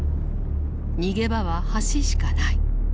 逃げ場は橋しかない。